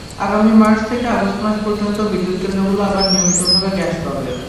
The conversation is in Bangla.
আগামী মার্চ থেকে আগস্ট মাস পর্যন্ত বিদ্যুৎকেন্দ্রগুলো আবার নিয়মিতভাবে গ্যাস পাবে।